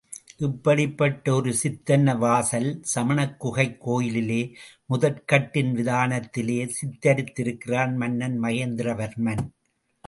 இப்படிப்பட்ட ஒரு சித்தன்ன வாசல் சமணக் குகைக் கோயிலிலே முதற்கட்டின் விதானத்திலே சித்திரித்திருக்கிறான் மன்னன் மகேந்திர வர்மன்.